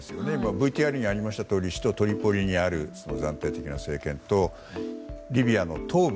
ＶＴＲにありましたように首都トリポリにある暫定的な政権とリビアの東部